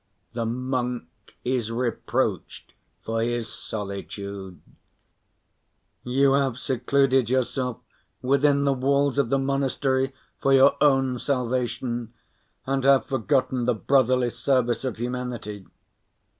The monk is reproached for his solitude, "You have secluded yourself within the walls of the monastery for your own salvation, and have forgotten the brotherly service of humanity!"